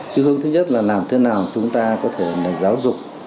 chứ hướng thứ nhất là làm thế nào chúng ta có thể giáo dục